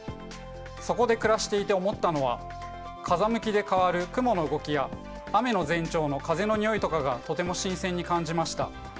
そこで暮らしていて思ったのは風向きで変わる雲の動きや雨の前兆の風の匂いとかがとても新鮮に感じました。